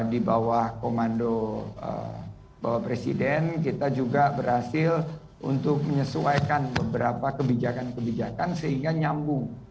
di bawah komando bapak presiden kita juga berhasil untuk menyesuaikan beberapa kebijakan kebijakan sehingga nyambung